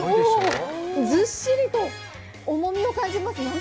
ずっしりと重みを感じます。